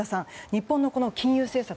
日本の金融政策